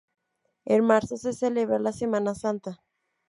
En marzo se celebra la Semana Santa.